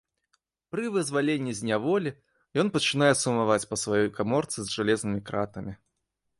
Пры вызваленні з няволі ён пачынае сумаваць па сваёй каморцы з жалезнымі кратамі.